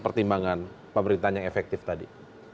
pertimbangan pemerintahan yang efektif tadi